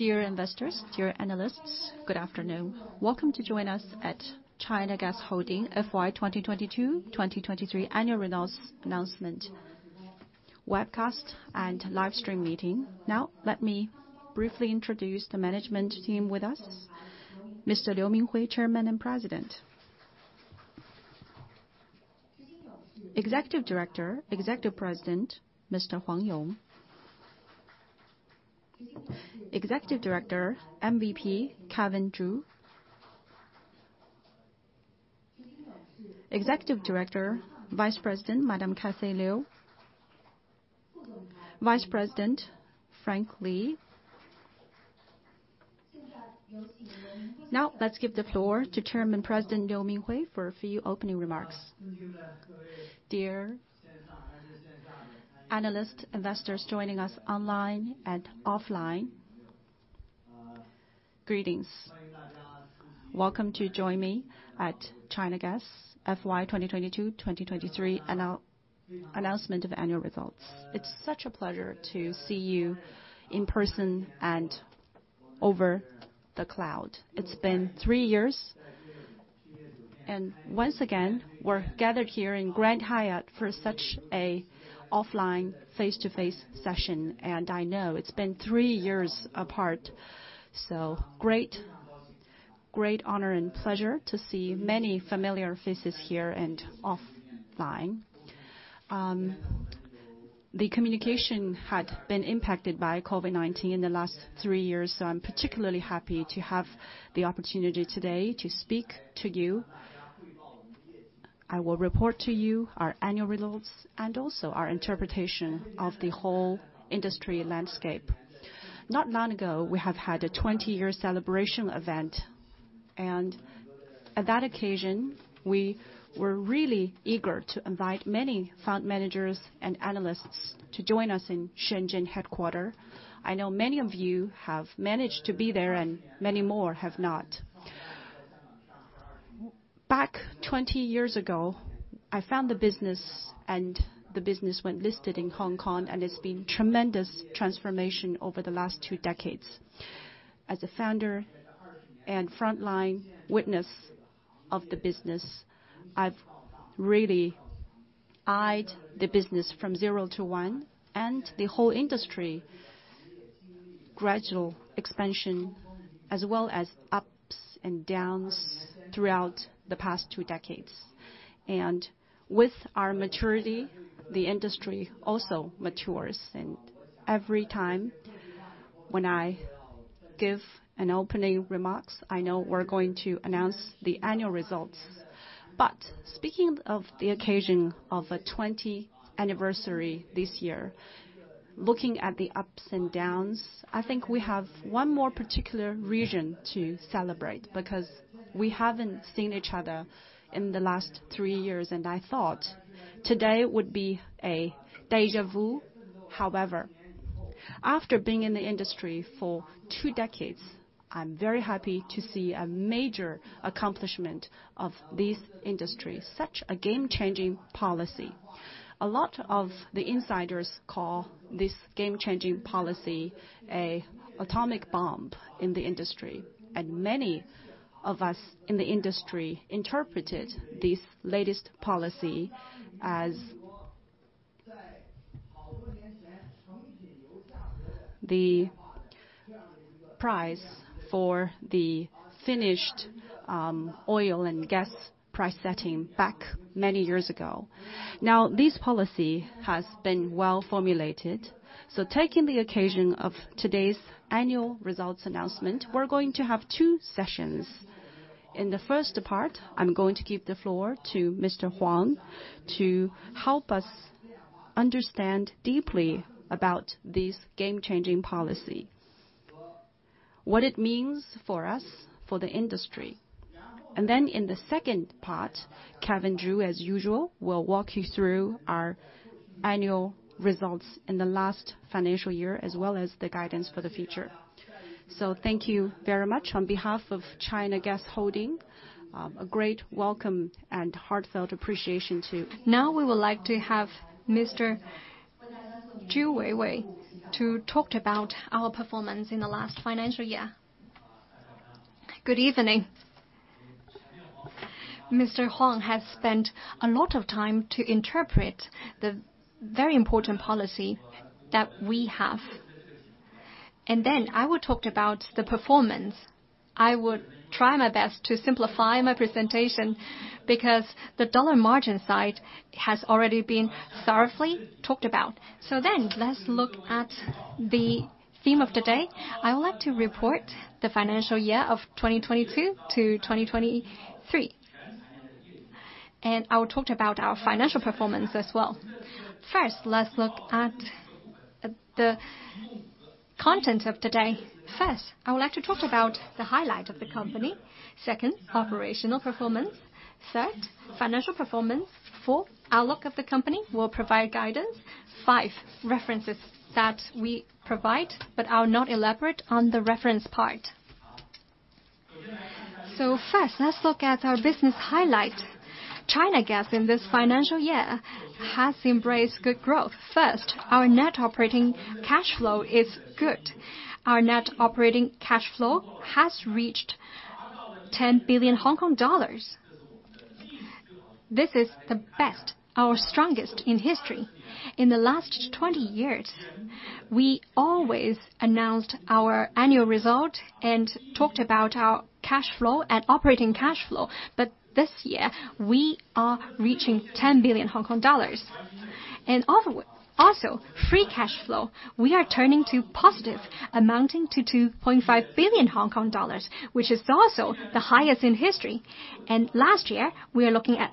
Dear investors, dear analysts, good afternoon. Welcome to join us at China Gas Holdings FY 2022, 2023 Annual Results Announcement, Webcast, and Live Stream Meeting. Let me briefly introduce the management team with us. Mr. Liu Ming Hui, Chairman and President. Executive Director, Executive President, Mr. Huang Yong. Executive Director, MVP, Kevin Zhu. Executive Director, Vice President, Madam Cathy Liu. Vice President, Frank Li. Let's give the floor to Chairman President Liu Ming Hui for a few opening remarks. Dear analysts, investors joining us online and offline, greetings. Welcome to join me at China Gas FY 2022, 2023 Announcement of Annual Results. It's such a pleasure to see you in person and over the cloud. It's been three years. Once again, we're gathered here in Grand Hyatt for such an offline, face-to-face session. I know it's been three years apart. Great honor and pleasure to see many familiar faces here and offline. The communication had been impacted by COVID-19 in the last three years. I'm particularly happy to have the opportunity today to speak to you. I will report to you our annual results. Also our interpretation of the whole industry landscape. Not long ago, we have had a 20-year celebration event. At that occasion, we were really eager to invite many fund managers and analysts to join us in Shenzhen headquarter. I know many of you have managed to be there. Many more have not. Back 20 years ago, I found the business, and the business went listed in Hong Kong, and it's been tremendous transformation over the last two decades. As a founder and frontline witness of the business, I've really eyed the business from zero to one, and the whole industry gradual expansion, as well as ups and downs throughout the past two decades. With our maturity, the industry also matures, and every time when I give an opening remarks, I know we're going to announce the annual results. Speaking of the occasion of a 20 anniversary this year, looking at the ups and downs, I think we have one more particular reason to celebrate, because we haven't seen each other in the last three years, and I thought today would be a deja vu. However, after being in the industry for two decades, I'm very happy to see a major accomplishment of this industry, such a game-changing policy. A lot of the insiders call this game-changing policy an atomic bomb in the industry, many of us in the industry interpreted this latest policy as the price for the finished oil and gas price setting back many years ago. This policy has been well formulated, so taking the occasion of today's annual results announcement, we're going to have two sessions. In the first part, I'm going to give the floor to Mr. Huang to help us understand deeply about this game-changing policy, what it means for us, for the industry. In the second part, Kevin Zhu, as usual, will walk you through our annual results in the last financial year, as well as the guidance for the future. Thank you very much. On behalf of China Gas Holdings, a great welcome and heartfelt appreciation, too. We would like to have Mr. Zhu Weiwei to talk about our performance in the last financial year. Good evening. Mr. Huang has spent a lot of time to interpret the very important policy that we have, and then I will talk about the performance. I will try my best to simplify my presentation, because the dollar margin side has already been thoroughly talked about. Let's look at the theme of the day. I would like to report the financial year of 2022 to 2023, and I will talk about our financial performance as well. First, let's look at the contents of the day. First, I would like to talk about the highlight of the company. Second, operational performance. Third, financial performance. 4, outlook of the company, we'll provide guidance. 5, references that we provide but are not elaborate on the reference part.... First, let's look at our business highlight. China Gas, in this financial year, has embraced good growth. First, our net operating cash flow is good. Our net operating cash flow has reached 10 billion Hong Kong dollars. This is the best, our strongest in history. In the last 20 years, we always announced our annual result and talked about our cash flow and operating cash flow, but this year, we are reaching 10 billion Hong Kong dollars. Also, free cash flow, we are turning to positive, amounting to 2.5 billion Hong Kong dollars, which is also the highest in history. Last year, we are looking at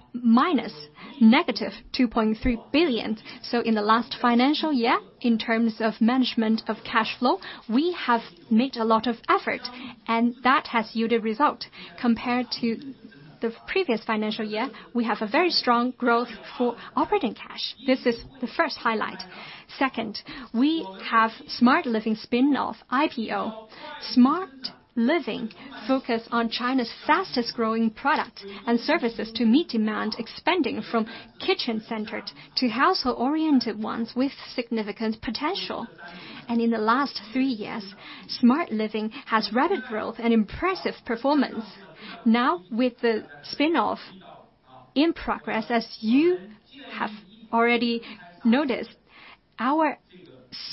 negative 2.3 billion. In the last financial year, in terms of management of cash flow, we have made a lot of effort, and that has yielded result. Compared to the previous financial year, we have a very strong growth for operating cash. This is the first highlight. Second, we have Smart Living spin-off IPO. Smart Living focus on China's fastest-growing product and services to meet demand, expanding from kitchen-centered to household-oriented ones with significant potential. In the last three years, Smart Living has rapid growth and impressive performance. Now, with the spin-off in progress, as you have already noticed, our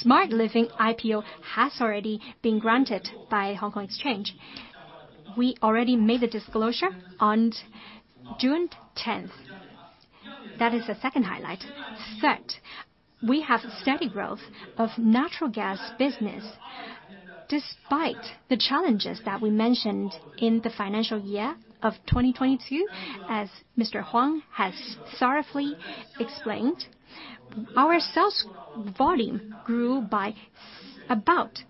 Smart Living IPO has already been granted by Hong Kong Exchange. We already made the disclosure on June 10th. That is the second highlight. Third, we have steady growth of natural gas business, despite the challenges that we mentioned in the financial year of 2022, as Mr. Huang has thoroughly explained. Our sales volume grew by about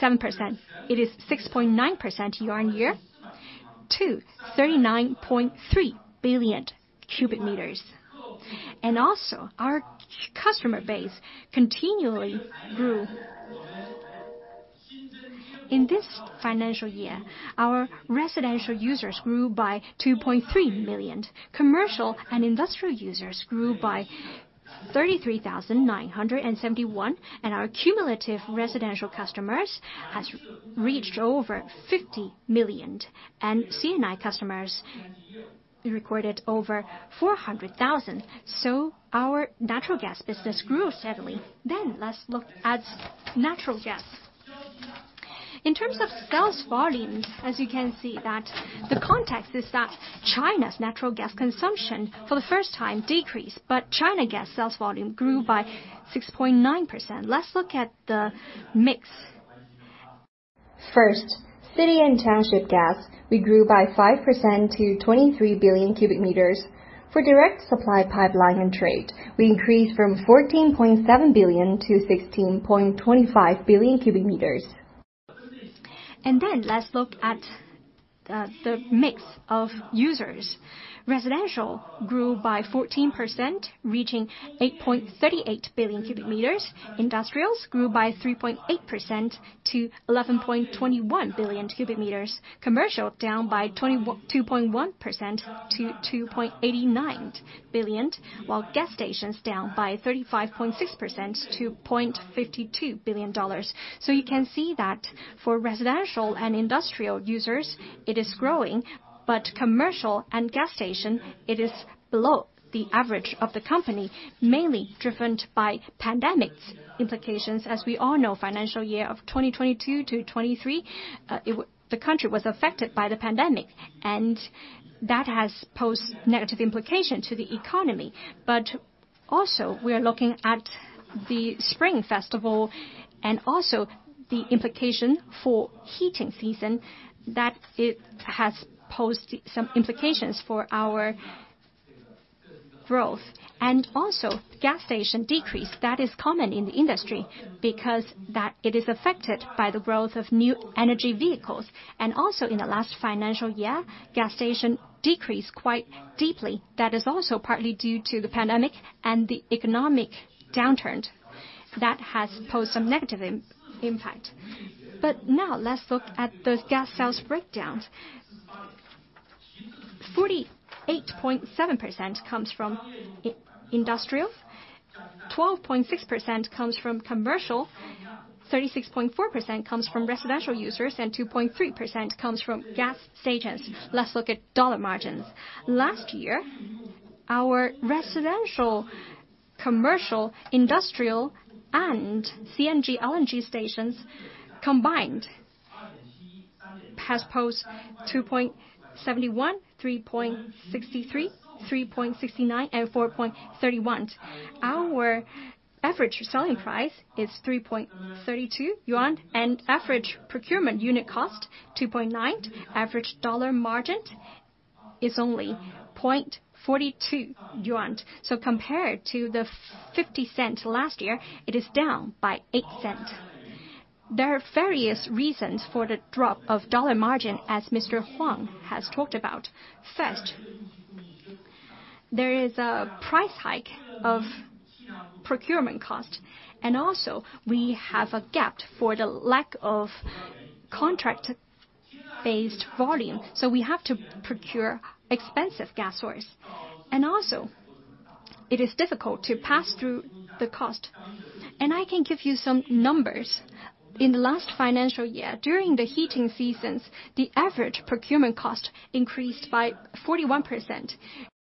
7%. It is 6.9% year-on-year to 39.3 billion cubic meters. Also, our customer base continually grew. In this financial year, our residential users grew by 2.3 million. Commercial and industrial users grew by 33,971, our cumulative residential customers has reached over 50 million, C&I customers, we recorded over 400,000. Our natural gas business grew steadily. Let's look at natural gas. In terms of sales volume, as you can see, that the context is that China's natural gas consumption, for the first time, decreased, China Gas sales volume grew by 6.9%. Let's look at the mix. First, city and township gas, we grew by 5% to 23 billion cubic meters. For direct supply pipeline and trade, we increased from 14.7 billion to 16.25 billion cubic meters. Let's look at the mix of users. Residential grew by 14%, reaching 8.38 billion cubic meters. Industrials grew by 3.8% to 11.21 billion cubic meters. Commercial, down by 2.1% to 2.89 billion cubic meters, while gas stations down by 35.6% to $0.52 billion. You can see that for residential and industrial users, it is growing, but commercial and gas station, it is below the average of the company, mainly driven by pandemic's implications. As we all know, financial year of 2022 to 2023, the country was affected by the pandemic, and that has posed negative implication to the economy. We are looking at the Spring Festival and also the implication for heating season, that it has posed some implications for our growth. Gas station decrease, that is common in the industry because that it is affected by the growth of new energy vehicles. Also, in the last financial year, gas station decreased quite deeply. That is also partly due to the pandemic and the economic downturn. That has posed some negative impact. Now, let's look at those gas sales breakdowns. 48.7% comes from industrials, 12.6% comes from commercial, 36.4% comes from residential users, and 2.3% comes from gas stations. Let's look at dollar margins. Last year, our residential, commercial, industrial, and CNG, LNG stations combined has posed 2.71, 3.63, 3.69, and 4.31. Our average selling price is 3.32 yuan, and average procurement unit cost, 2.9. Average dollar margin is only 0.42 yuan. Compared to the 0.50 last year, it is down by 0.08. There are various reasons for the drop of dollar margin, as Mr. Huang has talked about. There is a price hike of procurement cost. We have a gap for the lack of contract-based volume. We have to procure expensive gas source. It is difficult to pass through the cost. I can give you some numbers. In the last financial year, during the heating seasons, the average procurement cost increased by 41%.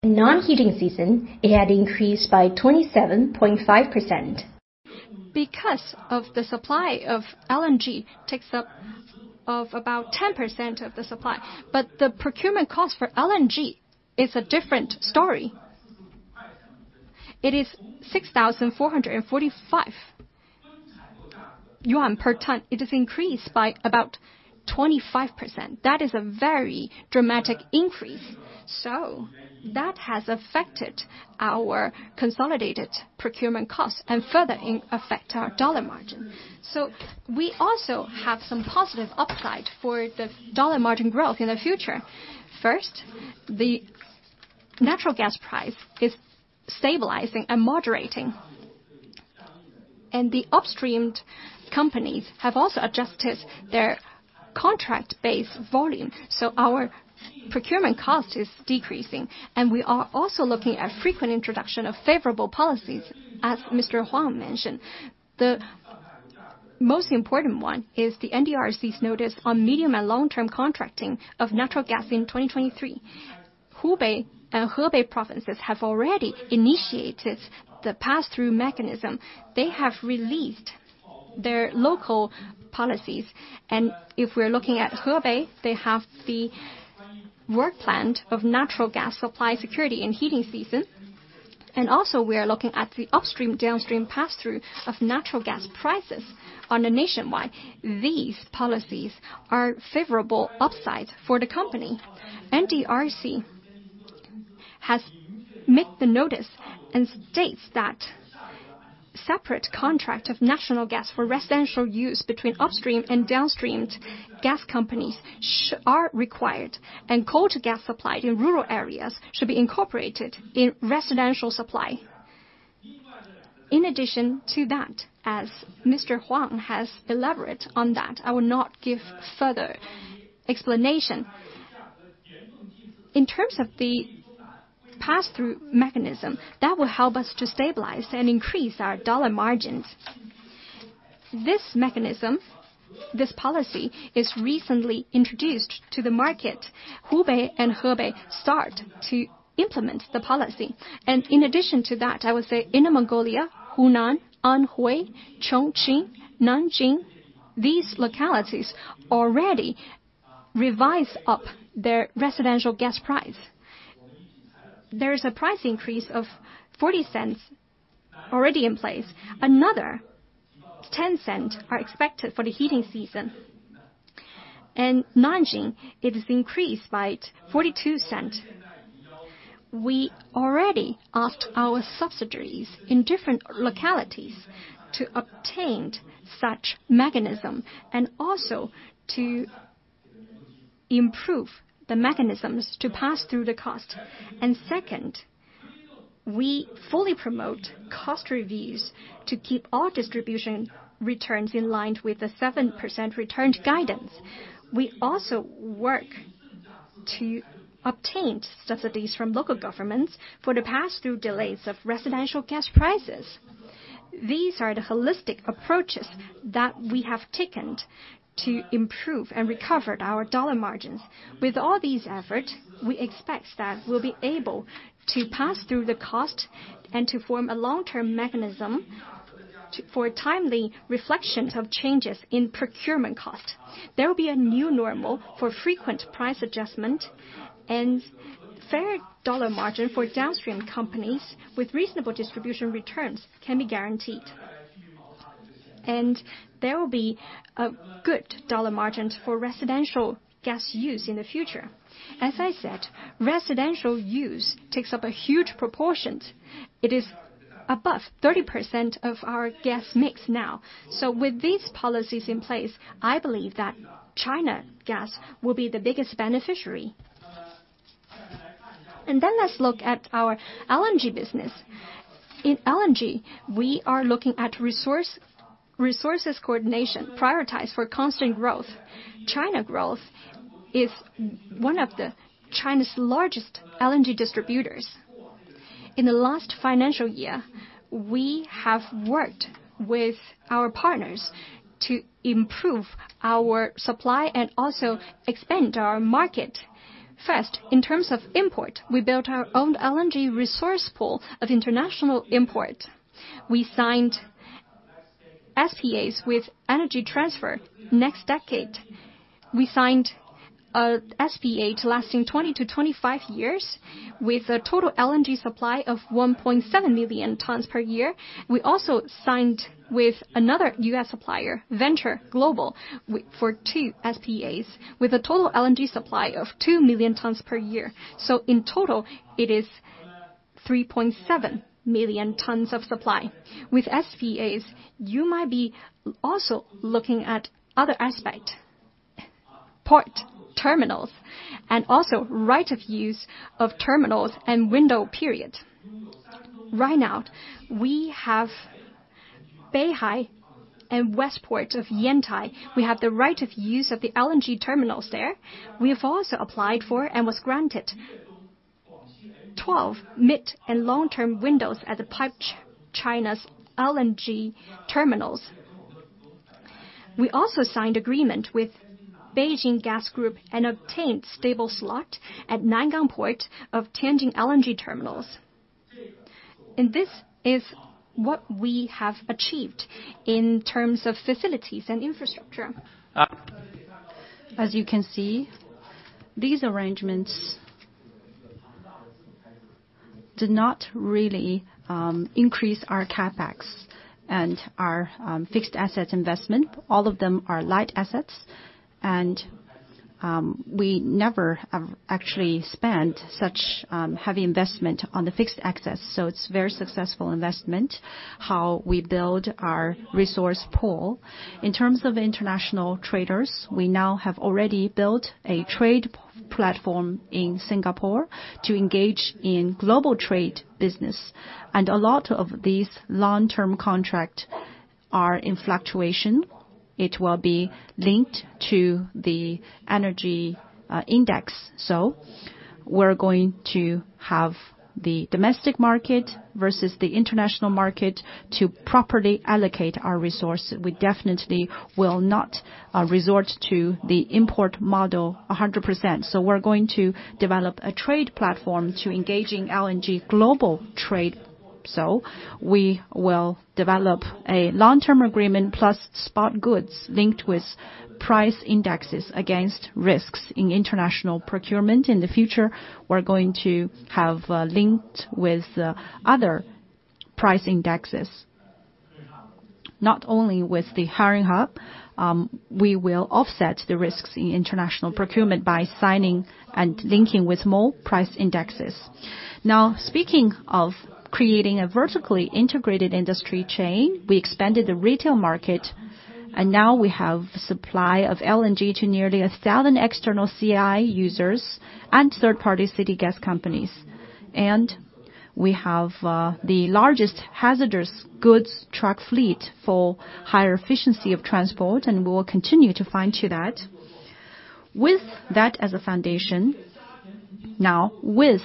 Non-heating season, it had increased by 27.5%. The supply of LNG takes up of about 10% of the supply. The procurement cost for LNG is a different story. It is 6,445 yuan per ton. It has increased by about 25%. That is a very dramatic increase. That has affected our consolidated procurement costs and further affect our dollar margin. We also have some positive upside for the dollar margin growth in the future. First, the natural gas price is stabilizing and moderating, and the upstream companies have also adjusted their contract-based volume, so our procurement cost is decreasing, and we are also looking at frequent introduction of favorable policies, as Mr. Huang mentioned. The most important one is the NDRC's notice on medium and long-term contracting of natural gas in 2023. Hubei and Hebei provinces have already initiated the pass-through mechanism. They have released their local policies, and if we're looking at Hebei, they have the work plan of natural gas supply security in heating season. Also, we are looking at the upstream, downstream pass-through of natural gas prices on a nationwide. These policies are favorable upside for the company. NDRC has made the notice and states that separate contract of natural gas for residential use between upstream and downstream gas companies are required, and coal to gas supply in rural areas should be incorporated in residential supply. In addition to that, as Mr. Huang has elaborate on that, I will not give further explanation. In terms of the pass-through mechanism, that will help us to stabilize and increase our dollar margins. This mechanism, this policy, is recently introduced to the market. Hubei and Hebei start to implement the policy, and in addition to that, I would say, Inner Mongolia, Hunan, Anhui, Chongqing, Nanjing, these localities already revise up their residential gas price. There is a price increase of 0.40 already in place. Another 0.10 are expected for the heating season. In Nanjing, it is increased by 0.42. We already asked our subsidiaries in different localities to obtain such mechanism and also to improve the mechanisms to pass through the cost. We fully promote cost reviews to keep our distribution returns in line with the 7% return guidance. We also work to obtain subsidies from local governments for the pass-through delays of residential gas prices. These are the holistic approaches that we have taken to improve and recover our dollar margins. With all these efforts, we expect that we'll be able to pass through the cost and to form a long-term mechanism for timely reflections of changes in procurement cost. There will be a new normal for frequent price adjustment and fair dollar margin for downstream companies, with reasonable distribution returns can be guaranteed. There will be a good dollar margin for residential gas use in the future. As I said, residential use takes up a huge proportion. It is above 30% of our gas mix now. With these policies in place, I believe that China Gas will be the biggest beneficiary. Let's look at our LNG business. In LNG, we are looking at resources coordination, prioritize for constant growth. China Gas is one of the China's largest LNG distributors. In the last financial year, we have worked with our partners to improve our supply and also expand our market. First, in terms of import, we built our own LNG resource pool of international import. We signed SPAs with Energy Transfer LP. We signed a SPA lasting 20-25 years, with a total LNG supply of 1.7 million tons per year. We also signed with another US supplier, Venture Global, for two SPAs, with a total LNG supply of 2 million tons per year. In total, it is 3.7 million tons of supply. With SPAs, you might be also looking at other aspect. Port terminals, and also right of use of terminals and window period. Right now, we have Beihai and West Port of Yantai. We have the right of use of the LNG terminals there. We have also applied for and was granted 12 mid and long-term windows at the PipeChina's LNG terminals. We also signed agreement with Beijing Gas Group and obtained stable slot at Nangang Port of Tianjin LNG terminals. This is what we have achieved in terms of facilities and infrastructure. As you can see, these arrangements do not really increase our CapEx and our fixed asset investment. All of them are light assets, and we never have actually spent such heavy investment on the fixed access, so it's very successful investment, how we build our resource pool. In terms of international traders, we now have already built a trade platform in Singapore to engage in global trade business. A lot of these long-term contract are in fluctuation. It will be linked to the energy index. We're going to have the domestic market versus the international market to properly allocate our resource. We definitely will not resort to the import model 100%. We're going to develop a trade platform to engage in LNG global trade. We will develop a long-term agreement, plus spot goods linked with price indexes against risks in international procurement. In the future, we're going to have linked with other price indexes. Not only with the Henry Hub, we will offset the risks in international procurement by signing and linking with more price indexes. Now, speaking of creating a vertically integrated industry chain, we expanded the retail market, now we have supply of LNG to nearly 1,000 external C&I users and third-party city gas companies. We have the largest hazardous goods truck fleet for higher efficiency of transport, and we will continue to fine-tune that. With that as a foundation, now, with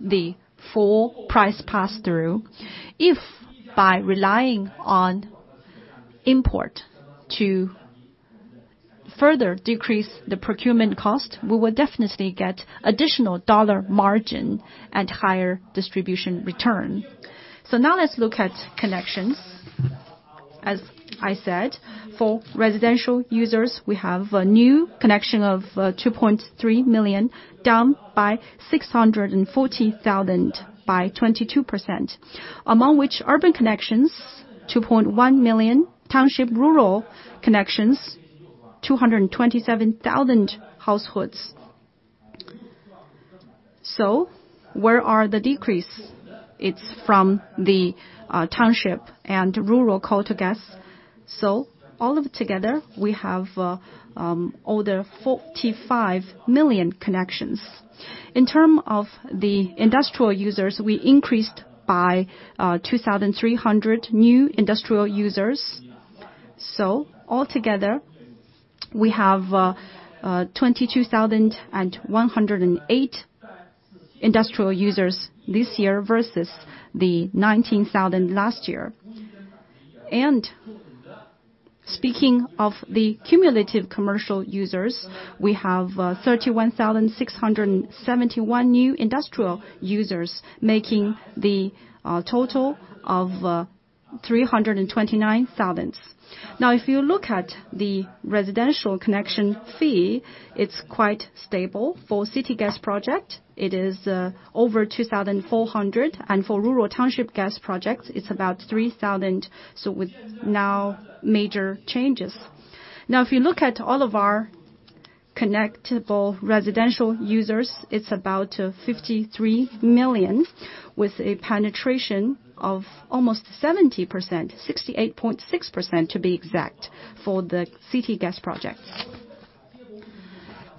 the full price pass-through, if by relying on import to further decrease the procurement cost, we will definitely get additional dollar margin and higher distribution return. Now let's look at connections. As I said, for residential users, we have a new connection of 2.3 million, down by 640,000, by 22%. Among which, urban connections, 2.1 million, township rural connections, 227,000 households. Where are the decrease? It's from the township and rural coal to gas. All of together, we have over 45 million connections. In term of the industrial users, we increased by 2,300 new industrial users. Altogether, we have 22,108 industrial users this year versus the 19,000 last year. Speaking of the cumulative commercial users, we have 31,671 new industrial users, making the total of 329,000. Now, if you look at the residential connection fee, it's quite stable. For city gas project, it is over 2,400, and for rural township gas projects, it's about 3,000, so with no major changes. If you look at all of our connectable residential users, it's about 53 million, with a penetration of almost 70%, 68.6%, to be exact, for the city gas projects.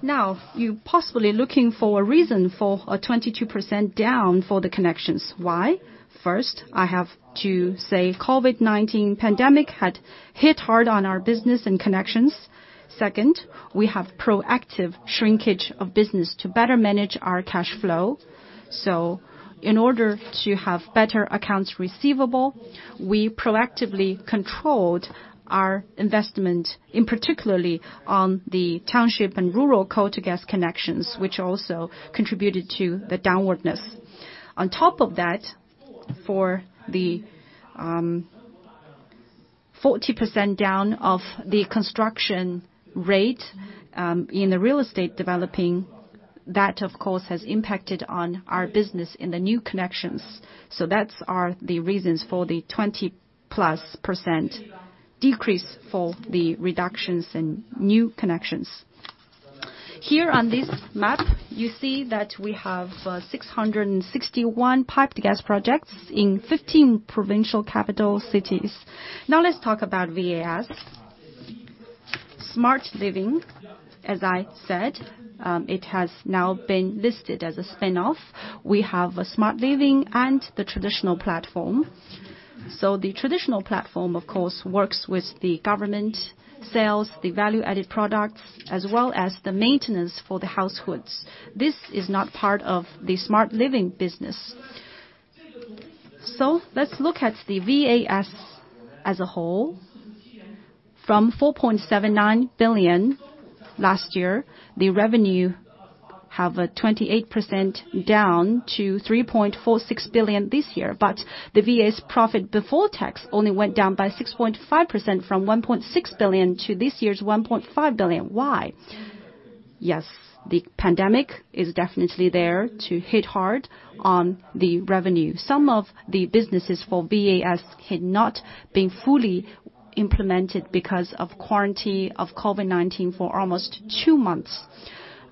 You're possibly looking for a reason for a 22% down for the connections. Why? First, I have to say COVID-19 pandemic had hit hard on our business and connections. Second, we have proactive shrinkage of business to better manage our cash flow. In order to have better accounts receivable, we proactively controlled our investment, in particularly on the township and rural coal to gas connections, which also contributed to the downwardness. For the 40% down of the construction rate in the real estate developing, that of course has impacted on our business in the new connections. That's are the reasons for the 20%+ decrease for the reductions in new connections. Here on this map, you see that we have 661 piped gas projects in 15 provincial capital cities. Let's talk about VAS. Smart Living, as I said, it has now been listed as a spin-off. We have a Smart Living and the traditional platform. The traditional platform, of course, works with the government, sales, the value-added products, as well as the maintenance for the households. This is not part of the Smart Living business. Let's look at the VAS as a whole. From 4.79 billion last year, the revenue have a 28% down to 3.46 billion this year. The VAS profit before tax only went down by 6.5%, from 1.6 billion to this year's 1.5 billion. Why? Yes, the pandemic is definitely there to hit hard on the revenue. Some of the businesses for VAS had not been fully implemented because of quarantine of COVID-19 for almost 2 months.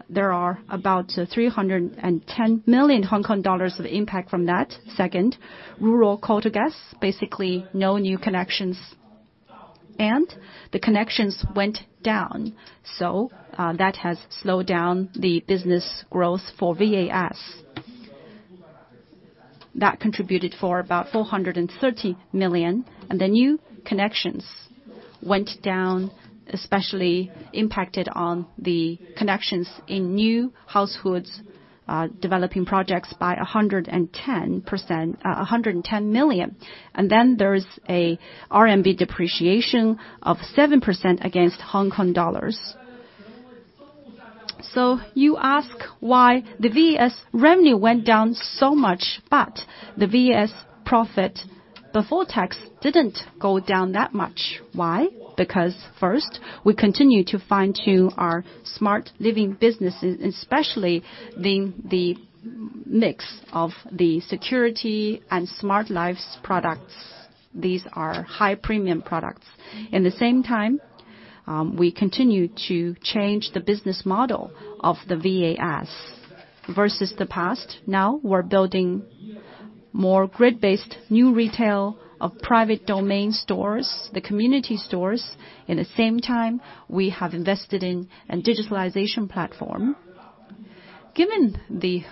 There are about 310 million Hong Kong dollars of impact from that. Second, rural coal to gas, basically, no new connections, and the connections went down. That has slowed down the business growth for VAS. That contributed for about 430 million, and the new connections went down, especially impacted on the connections in new households, developing projects by 110%, 110 million. There's a RMB depreciation of 7% against Hong Kong dollars. You ask why the VAS revenue went down so much, but the VAS profit before tax didn't go down that much. Why? First, we continue to fine-tune our Smart Living business, especially the mix of the security and smart lives products. These are high-premium products. We continue to change the business model of the VAS. Versus the past, now we're building more grid-based new retail of private domain stores, the community stores. We have invested in a digitalization platform. Given the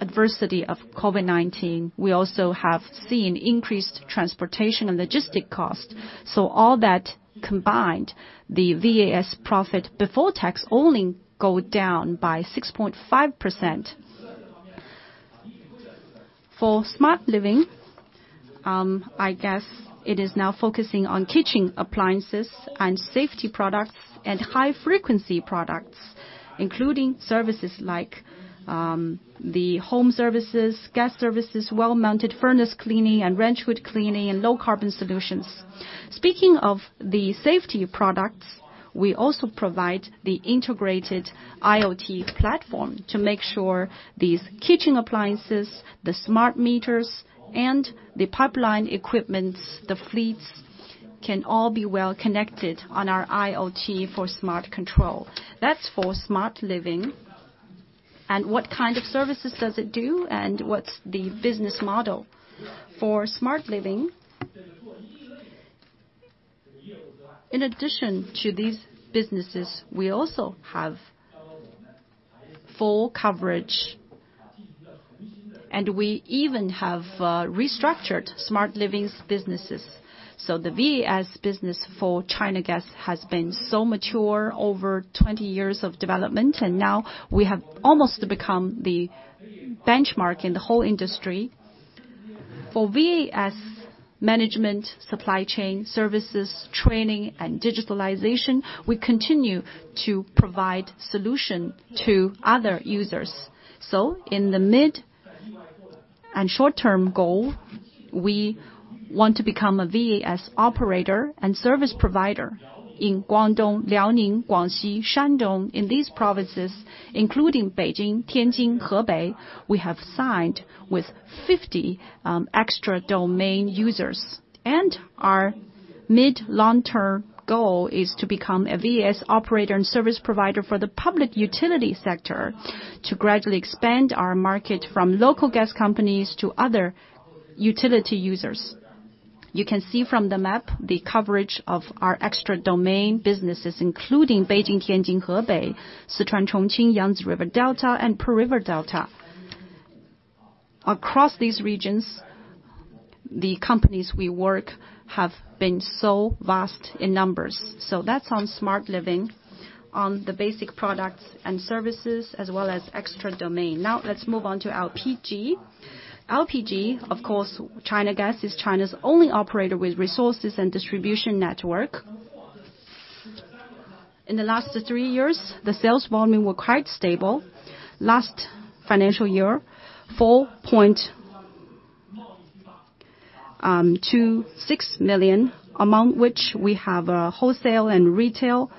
adversity of COVID-19, we also have seen increased transportation and logistic costs. All that combined, the VAS profit before tax only go down by 6.5%. For Smart Living, I guess it is now focusing on kitchen appliances and safety products and high-frequency products, including services like the home services, gas services, well-mounted furnace cleaning and wrench hood cleaning, and low-carbon solutions. Speaking of the safety products, we also provide the integrated IoT platform to make sure these kitchen appliances, the smart meters, and the pipeline equipment, the fleets, can all be well connected on our IoT for smart control. That's for Smart Living. What kind of services does it do, and what's the business model? For Smart Living, in addition to these businesses, we also have full coverage, and we even have restructured Smart Living's businesses. The VAS business for China Gas has been so mature over 20 years of development, and now we have almost become the benchmark in the whole industry. For VAS management, supply chain, services, training, and digitalization, we continue to provide solution to other users. In the mid and short-term goal, we want to become a VAS operator and service provider in Guangdong, Liaoning, Guangxi, Shandong. In these provinces, including Beijing, Tianjin, Hebei, we have signed with 50 extra domain users. Our mid-long-term goal is to become a VAS operator and service provider for the public utility sector, to gradually expand our market from local gas companies to other utility users. You can see from the map the coverage of our extra domain businesses, including Beijing, Tianjin, Hebei, Sichuan, Chongqing, Yangtze River Delta, and Pearl River Delta. Across these regions, the companies we work have been so vast in numbers. That's on Smart Living, on the basic products and services, as well as extra domain. Now, let's move on to LPG. LPG, of course, China Gas is China's only operator with resources and distribution network. In the last three years, the sales volume were quite stable. Last financial year, 4.26 million, among which we have wholesale and retail.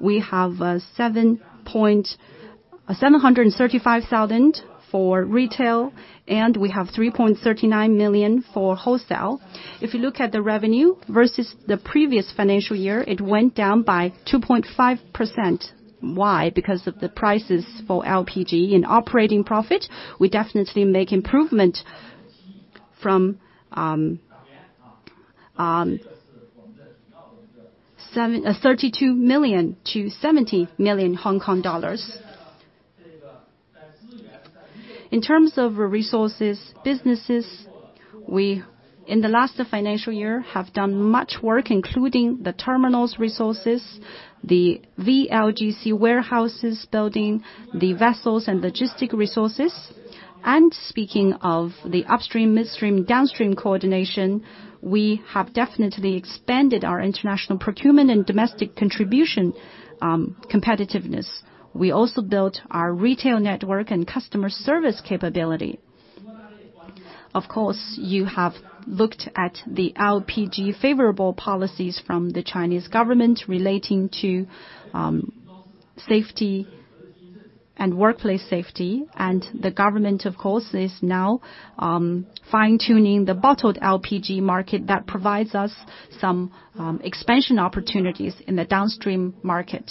We have 735,000 for retail, and we have 3.39 million for wholesale. If you look at the revenue versus the previous financial year, it went down by 2.5%. Why? Because of the prices for LPG and operating profit, we definitely make improvement from HKD 32 million to HKD 70 million. In terms of resources, businesses, we, in the last financial year, have done much work, including the terminals resources, the VLGC warehouses building, the vessels and logistic resources. Speaking of the upstream, midstream, downstream coordination, we have definitely expanded our international procurement and domestic contribution competitiveness. We also built our retail network and customer service capability. Of course, you have looked at the LPG favorable policies from the Chinese government relating to safety and workplace safety, the government, of course, is now fine-tuning the bottled LPG market that provides us some expansion opportunities in the downstream market.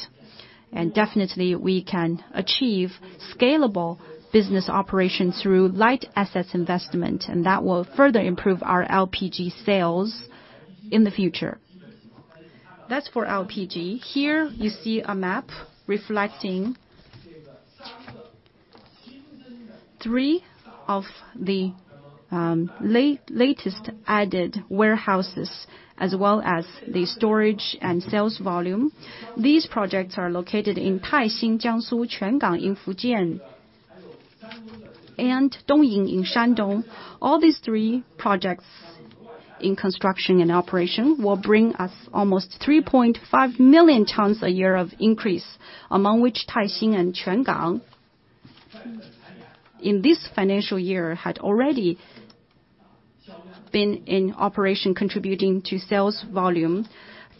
Definitely, we can achieve scalable business operations through light assets investment, and that will further improve our LPG sales in the future. That's for LPG. Here, you see a map reflecting three of the latest added warehouses, as well as the storage and sales volume. These projects are located in Taixing, Jiangsu, Quangang in Fujian, and Dongying in Shandong. All these three projects in construction and operation will bring us almost 3.5 million tons a year of increase, among which Taixing and Quangang, in this financial year, had already been in operation, contributing to sales volume.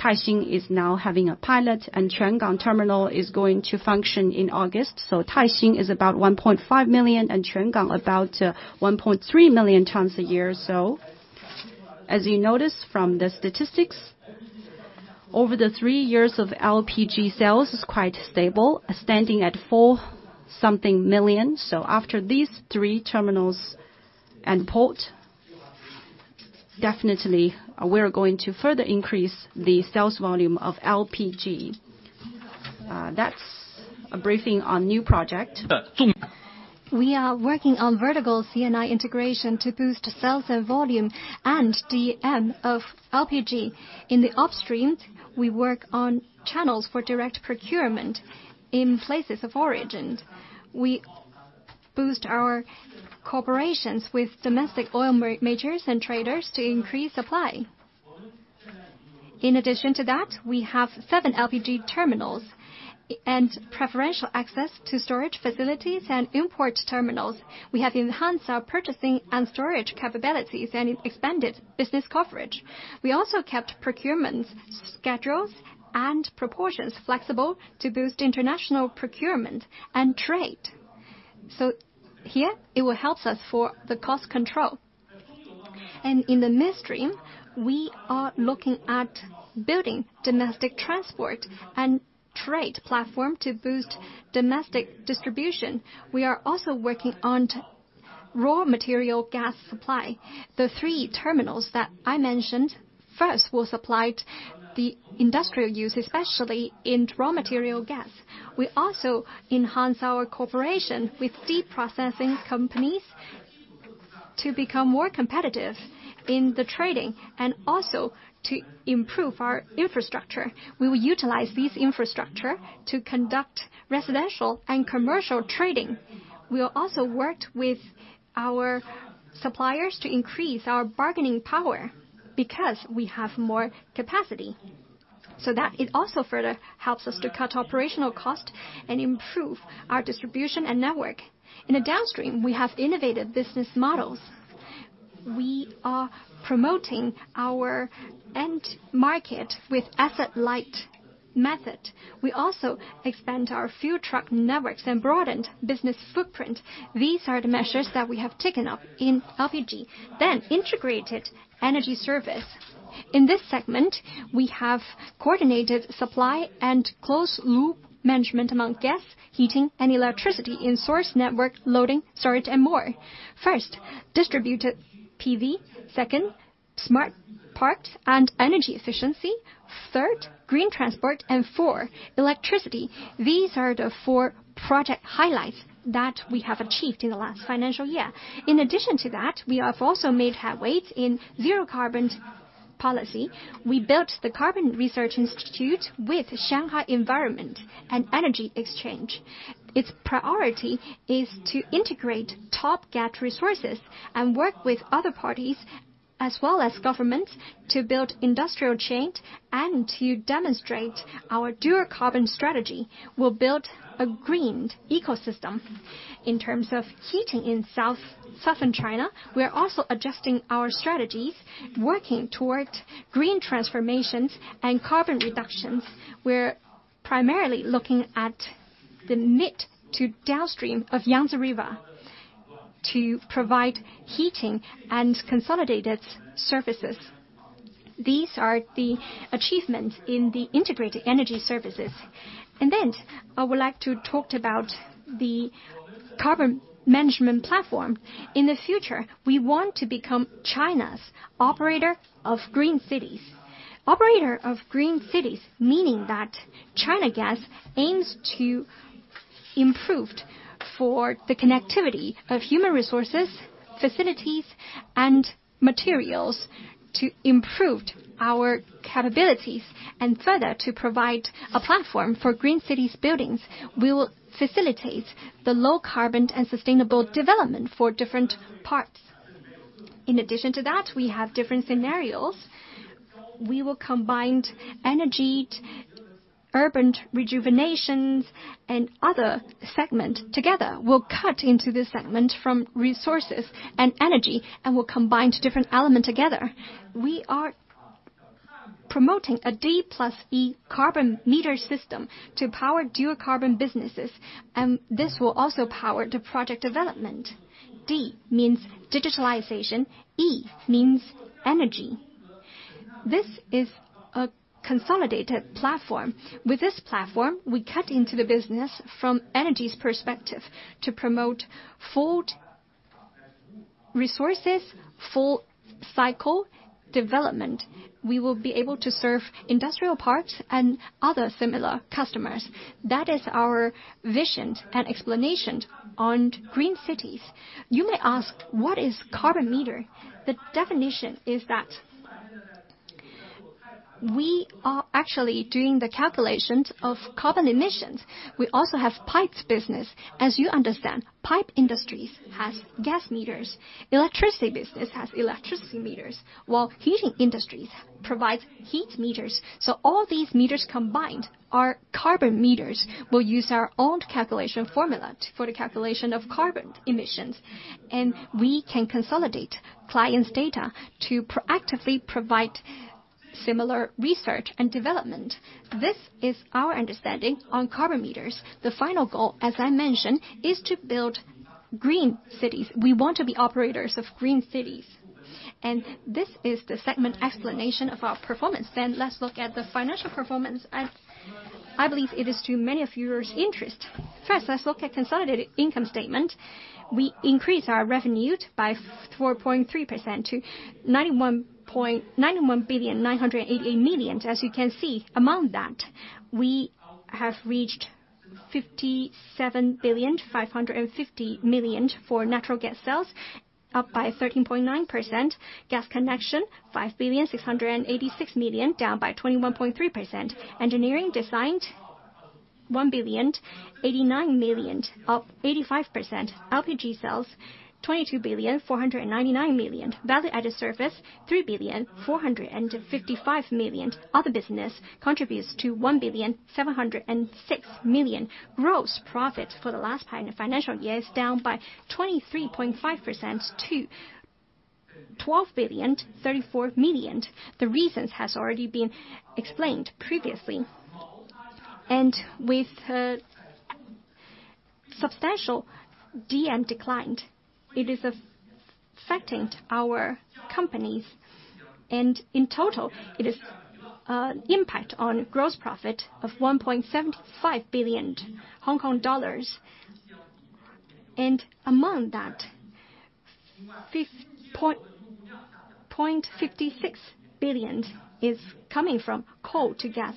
Taixing is now having a pilot, and Quangang terminal is going to function in August. Taixing is about 1.5 million, and Quangang about 1.3 million tons a year or so. As you notice from the statistics, over the three years of LPG sales, it's quite stable, standing at 4 something million. After these three terminals and port, definitely, we're going to further increase the sales volume of LPG. That's a briefing on new project. We are working on vertical C&I integration to boost sales and volume and DM of LPG. In the upstream, we work on channels for direct procurement in places of origin. We boost our cooperations with domestic oil majors and traders to increase supply. In addition to that, we have seven LPG terminals and preferential access to storage facilities and import terminals. We have enhanced our purchasing and storage capabilities and expanded business coverage. We also kept procurements, schedules, and proportions flexible to boost international procurement and trade. Here, it will helps us for the cost control. In the midstream, we are looking at building domestic transport and trade platform to boost domestic distribution. We are also working on raw material gas supply. The three terminals that I mentioned, first, will supply the industrial use, especially in raw material gas. We also enhance our cooperation with deep processing companies to become more competitive in the trading and also to improve our infrastructure. We will utilize this infrastructure to conduct residential and commercial trading. We have also worked with our suppliers to increase our bargaining power because we have more capacity. It also further helps us to cut operational cost and improve our distribution and network. In the downstream, we have innovative business models. We are promoting our end market with asset light method. We also expand our fuel truck networks and broadened business footprint. These are the measures that we have taken up in LPG. Integrated energy service. In this segment, we have coordinated supply and closed loop management among gas, heating, and electricity in source, network, loading, storage, and more. First, distributed PV. Second, smart parks and energy efficiency. Third, green transport. four, electricity. These are the four project highlights that we have achieved in the last financial year. In addition to that, we have also made headway in zero-carbon policy. We built the Carbon Research Institute with Shanghai Environment and Energy Exchange. Its priority is to integrate top-gap resources and work with other parties, as well as governments, to build industrial chain and to demonstrate our dual carbon strategy. We'll build a green ecosystem. In terms of heating in Southern China, we are also adjusting our strategies, working toward green transformations and carbon reductions. We're primarily looking at the knit to downstream of Yangtze River to provide heating and consolidated services. These are the achievements in the integrated energy services. I would like to talk about the carbon management platform. In the future, we want to become China's operator of green cities. Operator of green cities, meaning that China Gas aims to improved for the connectivity of human resources, facilities, and materials to improved our capabilities, and further, to provide a platform for green cities buildings. We will facilitate the low carbon and sustainable development for different parts. In addition to that, we have different scenarios. We will combined energy, urban rejuvenations, and other segment together. We'll cut into this segment from resources and energy, and we'll combine the different element together. We are promoting a D+E carbon meter system to power dual carbon businesses, and this will also power the project development. D means digitalization, E means energy. This is a consolidated platform. With this platform, we cut into the business from energy's perspective to promote full resources, full cycle development. We will be able to serve industrial parks and other similar customers. That is our vision and explanation on green cities. You may ask, what is carbon meter? The definition is that we are actually doing the calculations of carbon emissions. We also have pipes business. As you understand, pipe industries has gas meters, electricity business has electricity meters, while heating industries provides heat meters. All these meters combined are carbon meters. We'll use our own calculation formula for the calculation of carbon emissions, and we can consolidate clients' data to proactively provide similar research and development. This is our understanding on carbon meters. The final goal, as I mentioned, is to build green cities. We want to be operators of green cities, this is the segment explanation of our performance. Let's look at the financial performance, I believe it is to many of your interest. First, let's look at consolidated income statement. We increased our revenue by 4.3% to 91,988 million. As you can see, among that, we have reached 57,550 million for natural gas sales, up by 13.9%. Gas connection, 5,686 million, down by 21.3%. Engineering design, 1,089 million, up 85%. LPG sales, HKD 22,499 million. Value-added services, 3,455 million. Other business contributes to 1,706 million. Gross profit for the last financial year is down by 23.5% to 12,034 million. The reasons has already been explained previously. With the substantial DM declined, it is affecting our companies, in total, it is impact on gross profit of 1.75 billion Hong Kong dollars. Among that, fifth point, 0.56 billion is coming from coal to gas.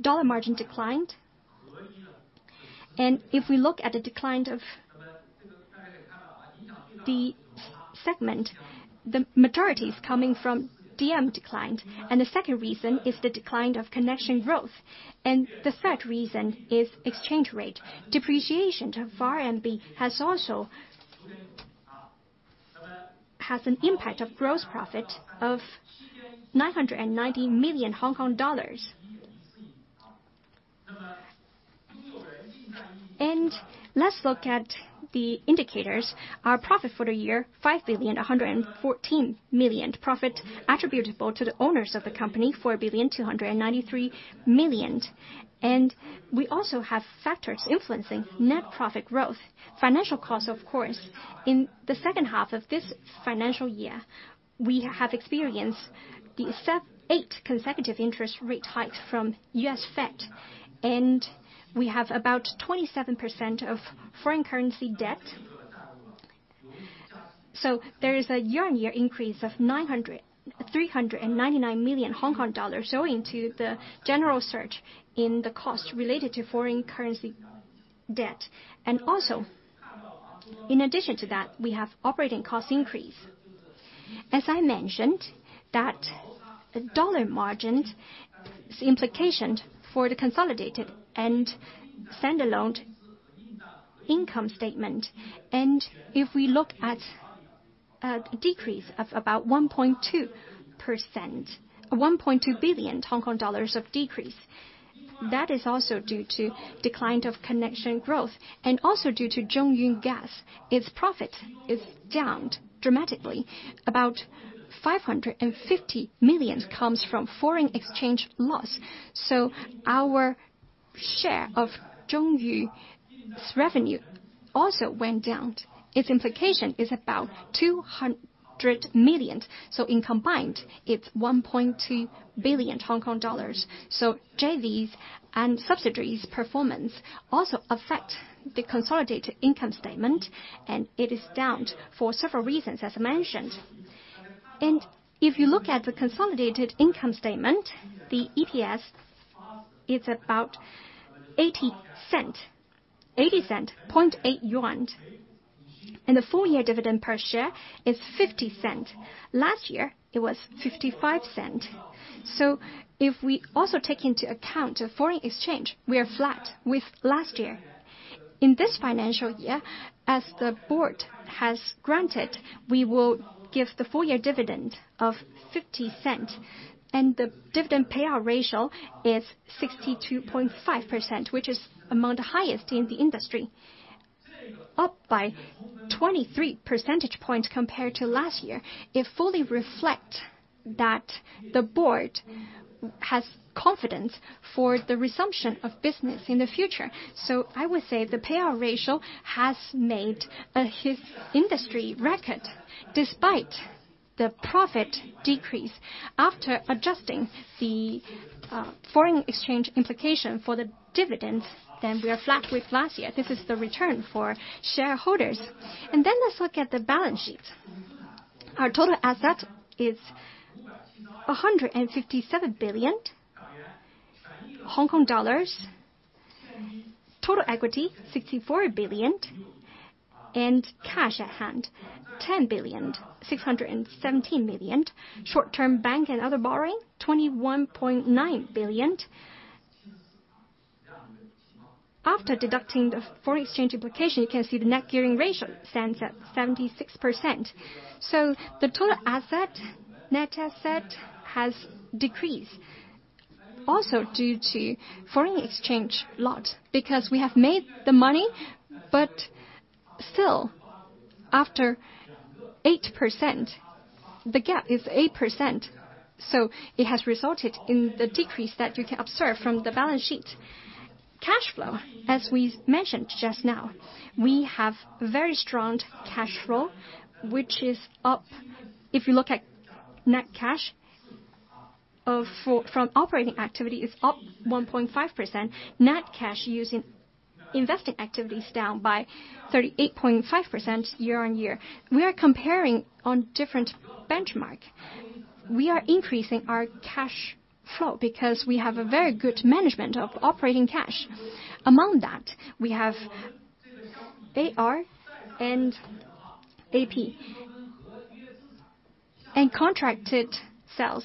Dollar margin declined. If we look at the decline of the segment, the majority is coming from DM declined, and the second reason is the decline of connection growth, and the third reason is exchange rate. Depreciation to RMB has an impact of gross profit of 990 million Hong Kong dollars. Let's look at the indicators. Our profit for the year, 5.114 billion. Profit attributable to the owners of the company, 4.293 billion. We also have factors influencing net profit growth. Financial costs, of course. In the second half of this financial year, we have experienced the eight consecutive interest rate hike from US Fed. We have about 27% of foreign currency debt. There is a year-on-year increase of 399 million Hong Kong dollars, owing to the general surge in the cost related to foreign currency debt. In addition to that, we have operating cost increase. As I mentioned, that the dollar margins, the implication for the consolidated and standalone income statement. If we look at a decrease of about 1.2%, 1.2 billion Hong Kong dollars of decrease, that is also due to decline of connection growth and also due to Zhongyu Gas. Its profit is down dramatically. About 550 million comes from foreign exchange loss. share of Zhongyu's revenue also went down. Its implication is about 200 million. In combined, it's 1.2 billion Hong Kong dollars. JVs and subsidiaries' performance also affect the consolidated income statement, and it is down for several reasons, as mentioned. If you look at the consolidated income statement, the EPS is about CNY 0.8. The full year dividend per share is 0.50. Last year, it was 0.55. If we also take into account the foreign exchange, we are flat with last year. In this financial year, as the board has granted, we will give the full year dividend of 0.50, and the dividend payout ratio is 62.5%, which is among the highest in the industry, up by 23 percentage points compared to last year. It fully reflect that the board has confidence for the resumption of business in the future. I would say the payout ratio has made a huge industry record, despite the profit decrease. After adjusting the foreign exchange implication for the dividends, we are flat with last year. This is the return for shareholders. Let's look at the balance sheet. Our total asset is 157 billion Hong Kong dollars. Total equity, 64 billion, and cash at hand, 10.617 billion. Short-term bank and other borrowing, 21.9 billion. After deducting the foreign exchange implication, you can see the net gearing ratio stands at 76%. The total asset, net asset, has decreased also due to foreign exchange lot, because we have made the money, but still, after 8%, the gap is 8%. It has resulted in the decrease that you can observe from the balance sheet. Cash flow, as we mentioned just now, we have very strong cash flow, which is up. If you look at net cash from operating activity, it's up 1.5%. Net cash using investing activity is down by 38.5% year-on-year. We are comparing on different benchmark. We are increasing our cash flow because we have a very good management of operating cash. Among that, we have AR and AP, and contracted sales.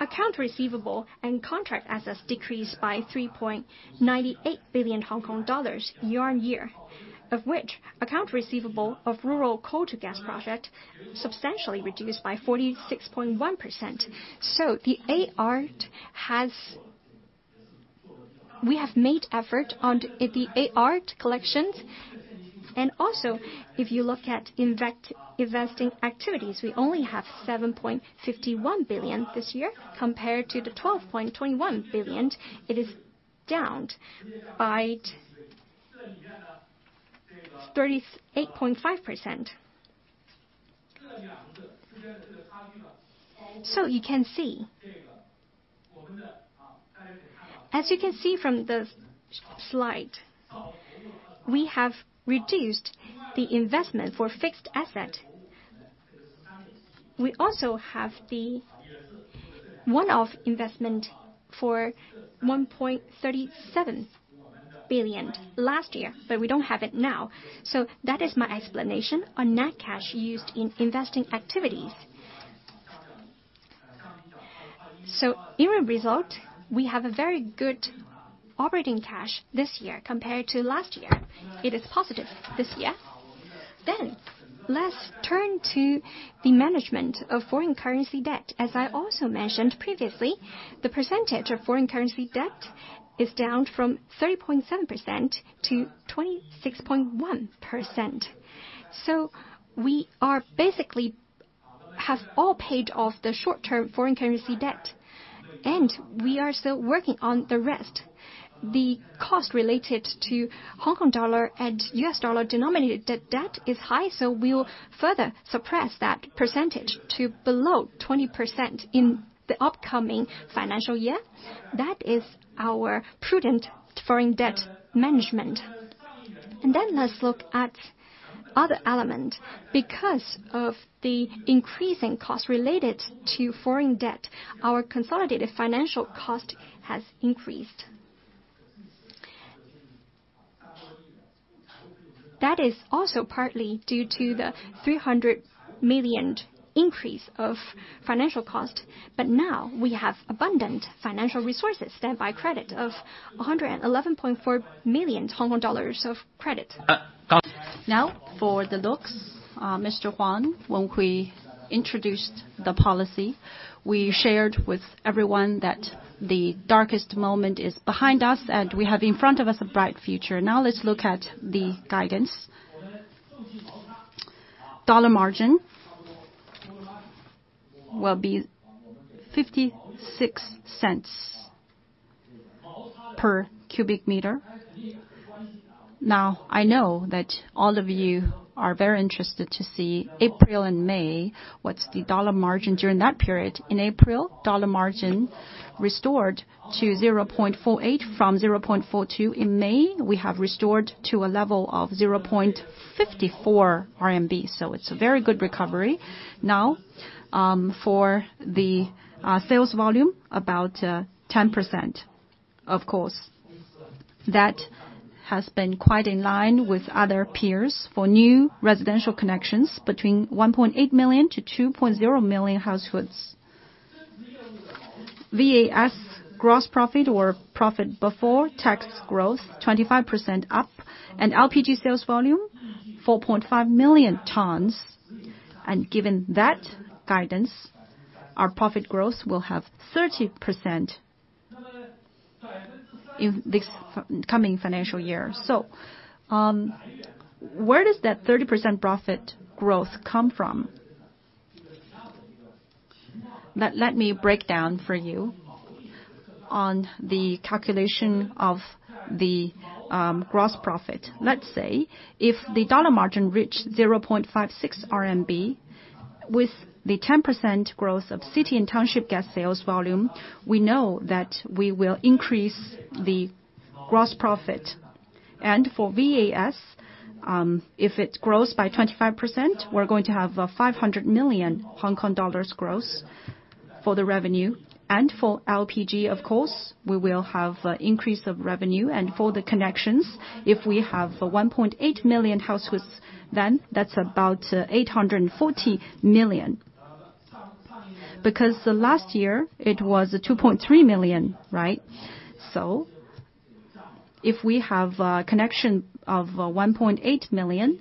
Account receivable and contract assets decreased by 3.98 billion Hong Kong dollars year-on-year, of which account receivable of rural coal to gas project substantially reduced by 46.1%. We have made effort on the AR collections. If you look at investing activities, we only have 7.51 billion this year compared to the 12.21 billion. It is down by 38.5%. As you can see from the slide, we have reduced the investment for fixed asset. We also have the one-off investment for 1.37 billion last year, we don't have it now. That is my explanation on net cash used in investing activities. In result, we have a very good operating cash this year compared to last year. It is positive this year. Let's turn to the management of foreign currency debt. As I also mentioned previously, the percentage of foreign currency debt is down from 30.7% to 26.1%. We are basically have all paid off the short-term foreign currency debt, and we are still working on the rest. The cost related to Hong Kong dollar and US dollar denominated debt is high, so we'll further suppress that percentage to below 20% in the upcoming financial year. That is our prudent foreign debt management. Let's look at other element. Because of the increasing cost related to foreign debt, our consolidated financial cost has increased. That is also partly due to the 300 million increase of financial cost, but now we have abundant financial resources, standby credit of 111.4 million Hong Kong dollars of credit. For the looks, Mr. Huang, when we introduced the policy, we shared with everyone that the darkest moment is behind us, and we have in front of us a bright future. Let's look at the guidance. dollar margin will be 0.56 per cubic meter. I know that all of you are very interested to see April and May, what's the dollar margin during that period? In April, dollar margin restored to 0.48 from 0.42. In May, we have restored to a level of 0.54 RMB, so it's a very good recovery. For the sales volume, about 10%. Of course, that has been quite in line with other peers for new residential connections between 1.8 million-2.0 million households. VAS gross profit or profit before tax growth, 25% up, and LPG sales volume, 4.5 million tons. Given that guidance, our profit growth will have 30% in this coming financial year. Where does that 30% profit growth come from? Let me break down for you on the calculation of the gross profit. Let's say, if the dollar margin reached 0.56 RMB, with the 10% growth of city and township gas sales volume, we know that we will increase the gross profit. For VAS, if it grows by 25%, we're going to have 500 million Hong Kong dollars gross for the revenue. For LPG, of course, we will have increase of revenue. For the connections, if we have 1.8 million households, that's about 840 million. The last year, it was 2.3 million, right? If we have a connection of 1.8 million,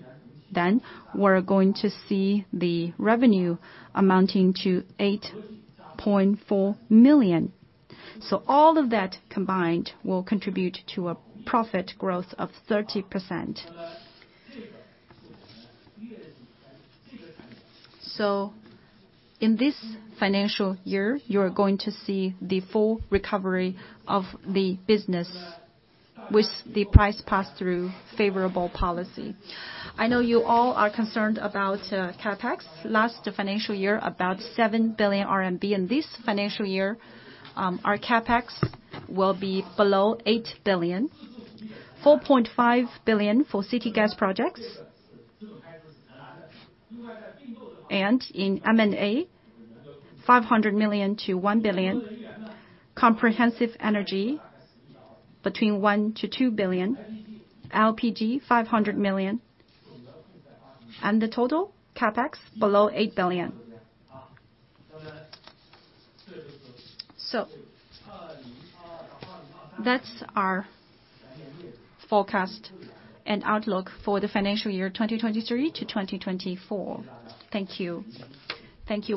we're going to see the revenue amounting to 8.4 million. All of that combined will contribute to a profit growth of 30%. In this financial year, you're going to see the full recovery of the business with the price pass-through favorable policy. I know you all are concerned about CapEx. Last financial year, about 7 billion RMB. This financial year, our CapEx will be below 8 billion, 4.5 billion for city gas projects. In M&A, 500 million-1 billion. Comprehensive energy, 1 billion-2 billion. LPG, 500 million. The total CapEx, below 8 billion. That's our forecast and outlook for the financial year 2023 to 2024. Thank you. Thank you.